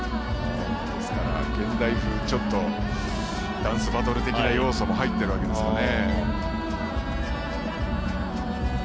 ですから、現代風のダンスバトル的な要素も入っているわけですかね。